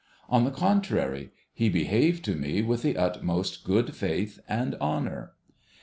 On the contrary, he behaved to me with the utmost good faith and honour.